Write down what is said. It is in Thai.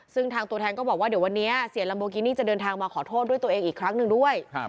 ซึ่งทางตัวแทนก็บอกว่าเดี๋ยววันนี้เสียลัมโบกินี่จะเดินทางมาขอโทษด้วยตัวเองอีกครั้งหนึ่งด้วย